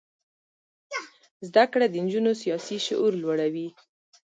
زده کړه د نجونو سیاسي شعور لوړوي.